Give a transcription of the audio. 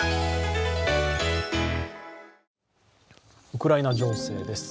ウクライナ情勢です。